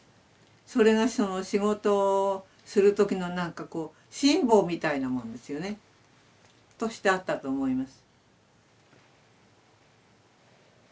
それが仕事をする時のなんかこう心棒みたいなもんですよね。としてあったと思います。